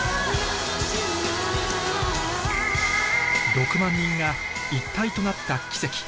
６万人が一体となった奇跡